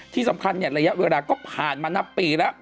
ที่สำคัญระยะเวลาก็ผ่านมานับปีแล้ว